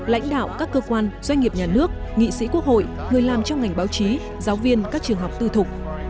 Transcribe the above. lãnh đạo các cơ quan doanh nghiệp nhà nước nghị sĩ quốc hội người làm trong ngành báo chí giáo viên các trường học tư thục